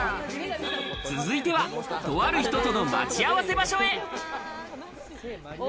続いては、とある人との待ち合わせ場所へ。